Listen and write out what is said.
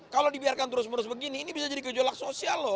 kalau dibiarkan terus menerus begini ini bisa jadi gejolak sosial loh